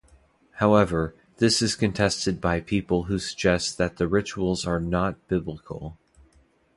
However, this is contested by people who suggest that the rituals are not biblical.